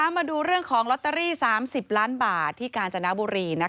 มาดูเรื่องของลอตเตอรี่๓๐ล้านบาทที่กาญจนบุรี